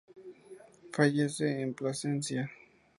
Fallece en Plasencia.